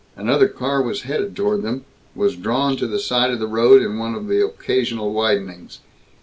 Another car was headed toward them; was drawn to the side of the road, in one of the occasional widenings.